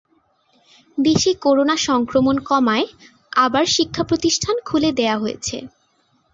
দেশে করোনা সংক্রমণ কমায় আবার শিক্ষাপ্রতিষ্ঠান খুলে দেওয়া হয়েছে।